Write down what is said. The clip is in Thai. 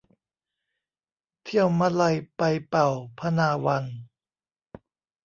เที่ยวมะไลไปเป่าพนาวัน